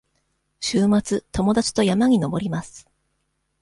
週末、友達と山に登ります。